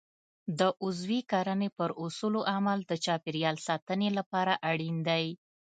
د عضوي کرنې پر اصولو عمل د چاپیریال ساتنې لپاره اړین دی.